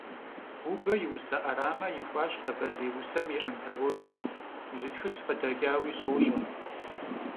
Бубэ и усэ Ӏэрамэ ихуащ «Къэбэрдей усэм и антологием», и зы тхылъ къыдэкӀауи сощӀэ.